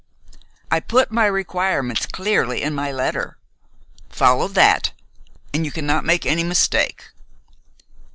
I put my requirements clearly in my letter. Follow that, and you cannot make any mistake."